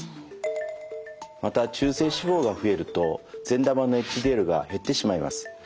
また中性脂肪が増えると善玉のＨＤＬが減ってしまいます。